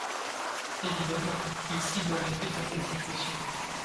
Évidemment ! Il cible en effet certaines situations.